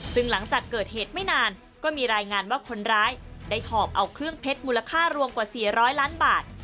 ซึ่งหลังจากเกิดเหตุไม่นานก็มีรายงานว่าคนร้ายได้หอบเอาเครื่องเพชรมูลค่ารวมกว่า๔๐๐ล้านบาท